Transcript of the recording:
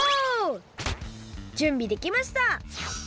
じゅんびできました！